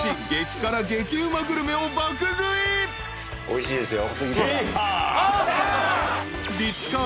おいしいですよ。